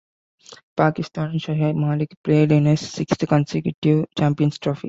Pakistan's Shoaib Malik played in his sixth consecutive Champions Trophy.